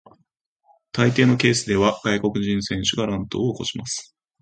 大抵のケースでは外国人選手が乱闘を起こします。